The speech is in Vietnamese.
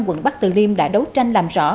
quận bắc từ liêm đã đấu tranh làm rõ